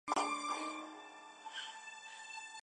当然首先要征求军委各同志意见。